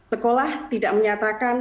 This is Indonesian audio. sekolah tidak menyatakan